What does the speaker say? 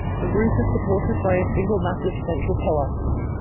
The roof is supported by a single massive central pillar.